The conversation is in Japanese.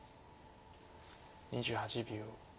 ２８秒。